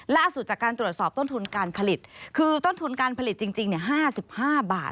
ล่าสุดจากการตรวจสอบต้นทุนการผลิตคือต้นทุนการผลิตจริง๕๕บาท